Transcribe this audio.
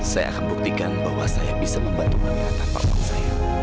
saya akan buktikan bahwa saya bisa membantu rewira tanpa uang saya